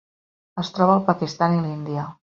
Es troba al Pakistan i l'Índia.